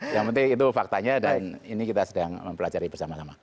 yang penting itu faktanya dan ini kita sedang mempelajari bersama sama